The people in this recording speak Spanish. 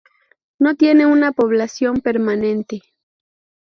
No tiene una población permanente.